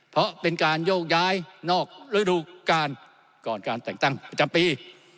เพราะเป็นการโยกย้ายนอกระดูกาลก่อนการแต่งตั้งประจำปี